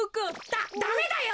ダダメだよ！